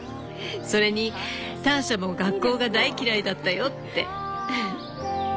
それに「ターシャも学校が大嫌いだったよ」って。